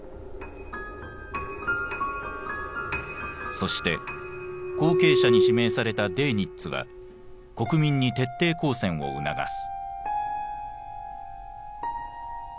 そして後継者に指名されたデーニッツは国民に徹底抗戦を促す。